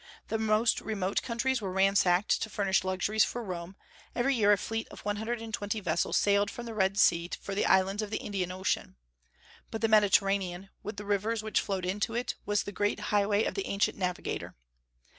The most remote countries were ransacked to furnish luxuries for Rome; every year a fleet of one hundred and twenty vessels sailed from the Red Sea for the islands of the Indian Ocean. But the Mediterranean, with the rivers which flowed into it, was the great highway of the ancient navigator.